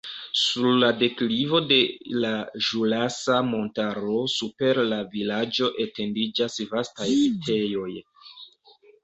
Sur la deklivo de la Ĵurasa Montaro super la vilaĝo etendiĝas vastaj vitejoj.